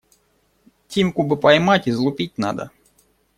Тимку бы поймать, излупить надо.